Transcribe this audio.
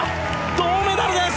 銅メダルです！